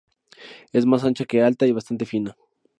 Es más ancha que alta y bastante fina.